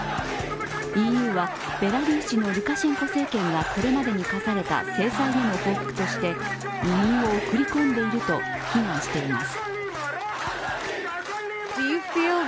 ＥＵは、ベラルーシのルカシェンコ政権がこれまでに科された制裁への報復として、移民を送り込んでいると非難しています。